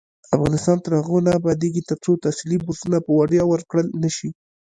افغانستان تر هغو نه ابادیږي، ترڅو تحصیلي بورسونه په وړتیا ورکړل نشي.